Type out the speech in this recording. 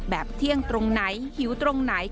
เที่ยงตรงไหนหิวตรงไหน